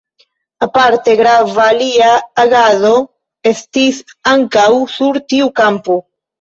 Aparte grava lia agado estis ankaŭ sur tiu kampo.